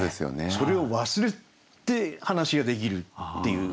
それを忘れて話ができるっていう。